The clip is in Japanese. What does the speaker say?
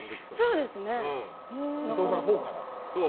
伊藤さんのほうから？